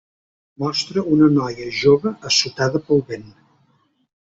Mostra una noia jove assotada pel vent.